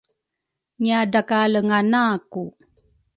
ngiadrakalenga naku